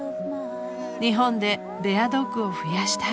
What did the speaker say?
［日本でベアドッグを増やしたい］